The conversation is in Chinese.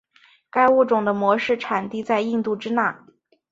该物种的模式产地在印度支那。